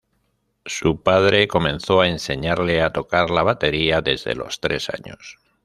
Su padre comenzó a enseñarle a tocar la batería desde los tres años.